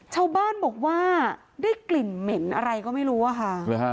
ชาวบ้านบอกว่าได้กลิ่นเหม็นอะไรก็ไม่รู้อะค่ะ